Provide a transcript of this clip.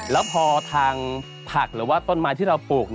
แล้วพอทางผักหรือว่าต้นไม้ที่เราปลูก